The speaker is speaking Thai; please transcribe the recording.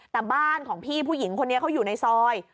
แต่บ้านของพี่ผู้หญิงคนนี้เขาอยู่ในซอย